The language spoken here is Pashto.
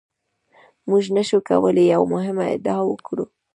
موږ نشو کولای یوه مهمه ادعا وکړو.